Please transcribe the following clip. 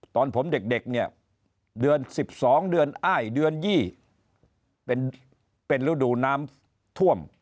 ตอนผมเด็กเนี่ยเดือน๑๒เดือนอ้ายเดือน๒เป็นฤดูน้ำท่วม